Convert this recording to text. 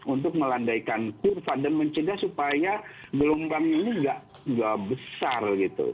untuk melandaikan kurva dan mencegah supaya gelombang ini nggak besar gitu